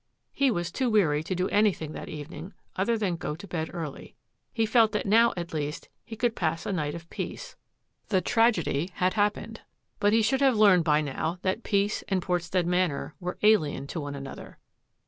He was too weary to do anything that evening other than go to bed early. He felt that now at least he could pass a night of peace; the tragedy 72 THAT AFFAIR AT THE MANOR had happened. But he should have learned by now that peace and Portstead Manor were alien to one another.